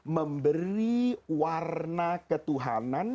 memberi warna ketuhanan